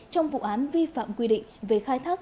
trong vụ án vi phạm quy định về khai thác